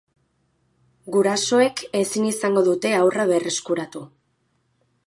Gurasoek ezin izango dute haurra berreskuratu.